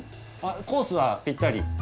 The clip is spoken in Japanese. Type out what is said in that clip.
あコースはぴったり。